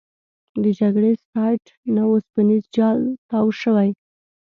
د جګړې سایټ نه اوسپنیز جال تاو شوی.